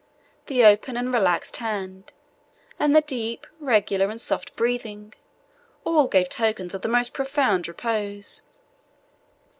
The open and relaxed hand, and the deep, regular, and soft breathing, all gave tokens of the most profound repose.